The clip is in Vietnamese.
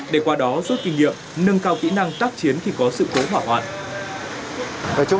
để qua đó rút kinh nghiệm nâng cao kỹ năng tác chiến khi có sự cố hỏa hoạn